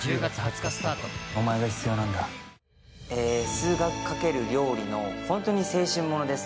数学×料理の本当に青春ものです。